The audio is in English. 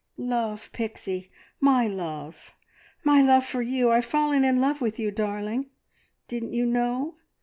"Love, Pixie! My love. My love for you. ... I've fallen in love with you, darling; didn't you know?